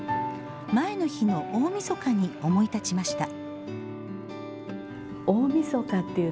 前の日の大みそかに思い立ちました。